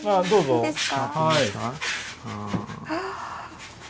いいですか？